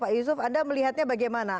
pak yusuf anda melihatnya bagaimana